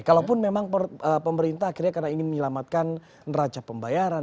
kalaupun memang pemerintah akhirnya karena ingin menyelamatkan neraca pembayaran